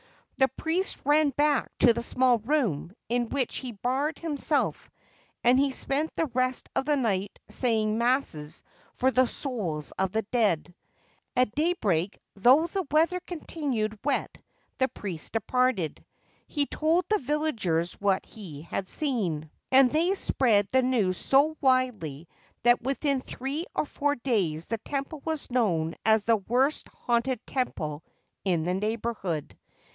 The priest ran back to the small room, into which he barred himself ; and he spent the rest of the night saying masses for the souls of the dead. At daybreak, though the weather continued wet, the priest departed. He told the villagers what he had seen, 62 THE PROCESSION OF GHOSTS c The Procession of Ghosts ' a'nd they spread the news so widely that within three or four days the temple was known as the worst haunted temple in the neighbourhood.